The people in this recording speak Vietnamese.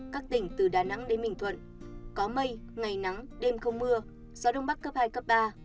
các tỉnh từ đà nẵng đến bình thuận có mây ngày nắng đêm không mưa gió đông bắc cấp hai cấp ba